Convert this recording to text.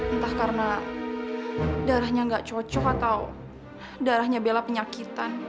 entah karena darahnya gak cocok atau darahnya bella penyakitan